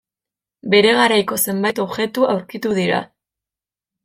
Bere garaiko zenbait objektu aurkitu dira.